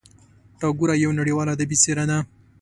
ټاګور یوه نړیواله ادبي څېره ده.